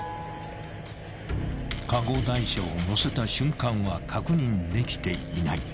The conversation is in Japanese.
［カゴ台車を載せた瞬間は確認できていない］